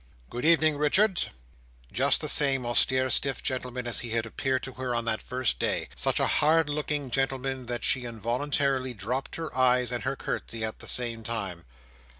"Good evening, Richards." Just the same austere, stiff gentleman, as he had appeared to her on that first day. Such a hard looking gentleman, that she involuntarily dropped her eyes and her curtsey at the same time.